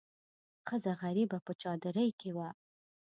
ښځه غریبه په چادرۍ کې وه.